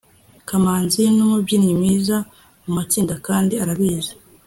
kamanzi numubyinnyi mwiza mumatsinda kandi arabizi